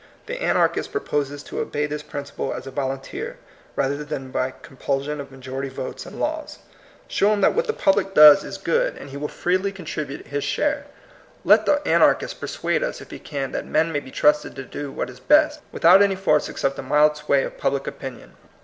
The anarchist proposes to obey this principle as a volunteer, rather than by compulsion of majority votes and laws. Show him that what the public does 186 THE COMING PEOPLE, is good, and he will freely contribute his share. Let the anarchist persuade us, if he can, that men may be trusted to do what is best, without any force except the mild sway of public opinion.